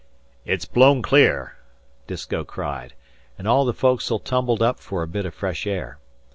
"It's blown clear," Disko cried, and all the foc'sle tumbled up for a bit of fresh air.